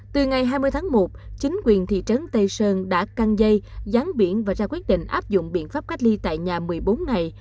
trước tháng một chính quyền thị trấn tây sơn đã căng dây gián biển và ra quyết định áp dụng biện pháp cách ly tại nhà một mươi bốn ngày